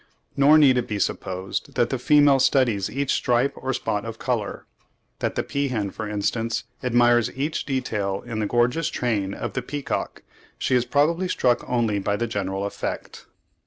Nor need it be supposed that the female studies each stripe or spot of colour; that the peahen, for instance, admires each detail in the gorgeous train of the peacock—she is probably struck only by the general effect.